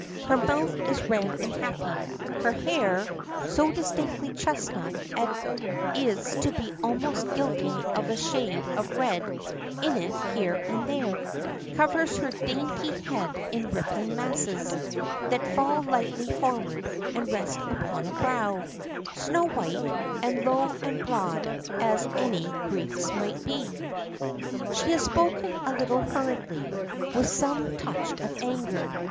Her mouth is red and happy. Her hair so distinctly chestnut as to be almost guilty of a shade of red in it here and there covers her dainty head in rippling masses, that fall lightly forward, and rest upon a brow, snow white, and low and broad as any Greek's might be. She had spoken a little hurriedly, with some touch of anger.